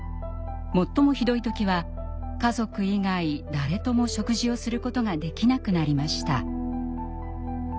最もひどい時は家族以外誰とも食事をすることができなくなりました。